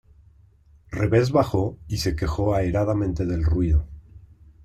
Reeves bajó y se quejó airadamente del ruido.